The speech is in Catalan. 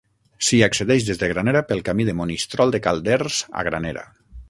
S'hi accedeix des de Granera pel Camí de Monistrol de Calders a Granera.